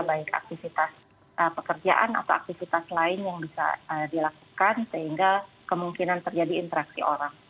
baik aktivitas pekerjaan atau aktivitas lain yang bisa dilakukan sehingga kemungkinan terjadi interaksi orang